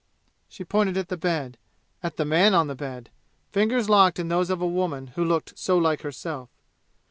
She pointed at the bed at the man on the bed fingers locked in those of a woman who looked so like herself.